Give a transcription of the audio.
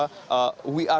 we are ready dalam twitternya